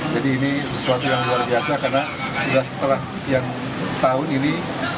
jadi ini sesuatu yang luar biasa karena sudah setelah sekian tahun ini